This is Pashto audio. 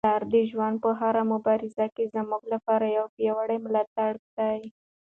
پلار د ژوند په هره مبارزه کي زموږ لپاره یو پیاوړی ملاتړی دی.